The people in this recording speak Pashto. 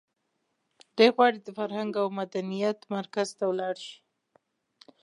دی غواړي د فرهنګ او مدنیت مرکز ته ولاړ شي.